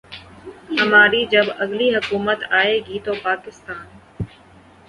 ہماری جب اگلی حکومت آئے گی تو پاکستان